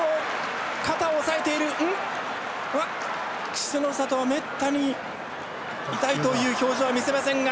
稀勢の里はめったに痛いという表情は見せませんが。